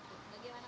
jadi dia yang golput